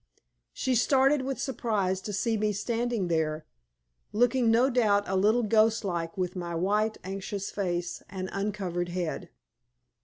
She started with surprise to see me standing there, looking no doubt a little ghost like with my white, anxious face and uncovered head.